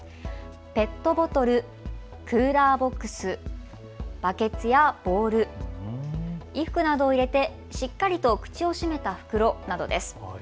ペットボトル、クーラーボックス、バケツやボール、衣服などを入れてしっかりと口を閉めた袋などです。